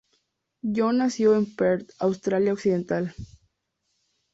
Jon nació en Perth, Australia Occidental.